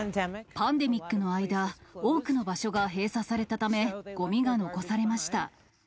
パンデミックの間、多くの場所が閉鎖されたため、ごみが残されました。